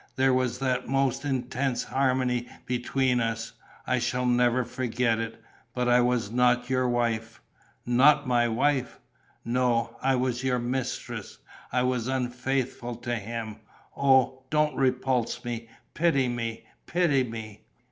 There was the most intense harmony between us: I shall never forget it.... But I was not your wife." "Not my wife!" "No, I was your mistress.... I was unfaithful to him.... Oh, don't repulse me! Pity me, pity me!"